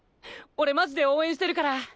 俺マジで応援してるから！